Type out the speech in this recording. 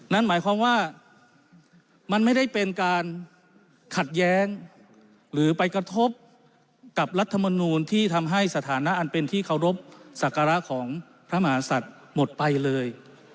นั่นหมายความว่ามันไม่ได้เป็นการขัดแย้งหรือไปกระทบกับรัฐมนูลที่ทำให้สถานะอันเป็นที่เคารพสักการะของพระมหาศัตริย์หมดไปเลย